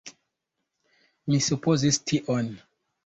Mi supozis tion.